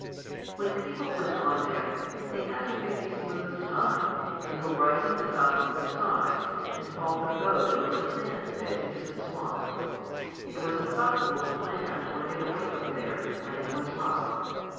When people went on there, they had to pick a smooth time, and go right on the top of the tide, and haul their boat over a sand spit into the swamp. It was impossible to land, or get away from there, when it was rough.